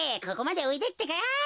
ここまでおいでってか。